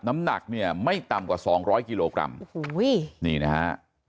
น้ำหนักเนี่ยไม่ต่ำกว่าสองร้อยกิโลกรัมโอ้โหนี่นะฮะ